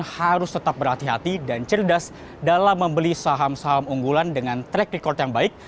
harus tetap berhati hati dan cerdas dalam membeli saham saham unggulan dengan track record yang baik